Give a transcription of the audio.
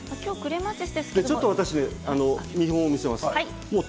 ちょっと私、見本を見せますね。